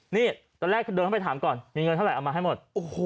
นี่ตอนแรกเดินเข้าไปถามก่อนมีเงินเท่าไหร่เอามาให้หมด